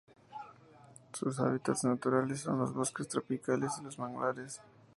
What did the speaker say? Sus hábitats naturales son los bosques tropicales y los manglares.